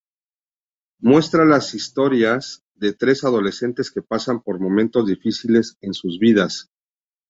Muestra las historia de tres adolescentes que pasan por momento difíciles en sus vidas.